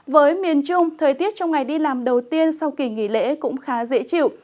với miền trung thời tiết trong ngày đi làm đầu tiên sau kỳ nghỉ lễ cũng khá dễ chịu